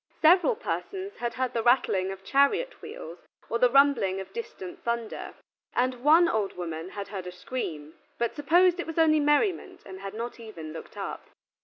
Several persons had heard the rattling of chariot wheels or the rumbling of distant thunder: and one old woman had heard a scream, but supposed it was only merriment, and had not even looked up.